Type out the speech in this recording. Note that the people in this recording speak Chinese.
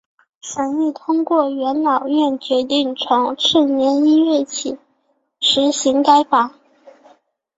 审议通过的元老院决定从次年一月起施行该法。